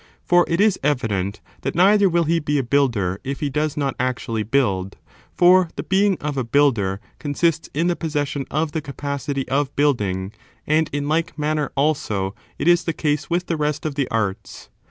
For it is evident that neither will he be a builder if he does not actually build ; for the being oi^ a builder consists in the possession of the capacity of building; and in like manner, 'also, it is the case with the rest of the arts.